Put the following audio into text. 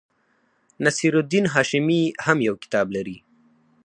نصیر الدین هاشمي هم یو کتاب لري.